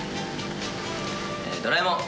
ドラえもん！